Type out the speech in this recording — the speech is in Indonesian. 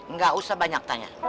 nggak usah banyak tanya